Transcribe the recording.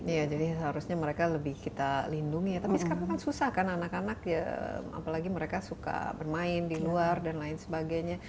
iya jadi seharusnya mereka lebih kita lindungi ya tapi sekarang kan susah kan anak anak ya apalagi mereka suka bermain di luar dan lain sebagainya